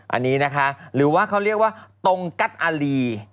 อันนี้นะคะหรือว่าเขาเรียกว่าตรงกัสอารี